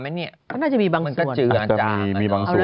มันอาจจะมีบางส่วนมันก็เจือดมีบางส่วนได้